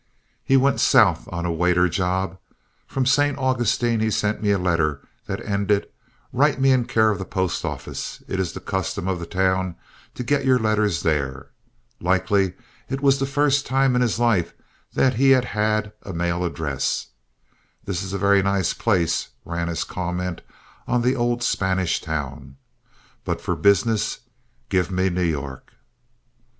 He went South on a waiter job. From St. Augustine he sent me a letter that ended: "Write me in care of the post office; it is the custom of the town to get your letters there." Likely it was the first time in his life that he had had a mail address. "This is a very nice place," ran his comment on the old Spanish town, "but for business give me New York."